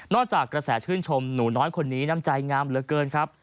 จากกระแสชื่นชมหนูน้อยคนนี้น้ำใจงามเหลือเกินครับ